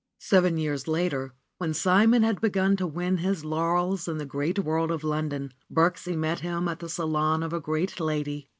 Seven years later, when Simon had begun to win his laurels in the great world of London, Birksie met him at the salon of a great lady.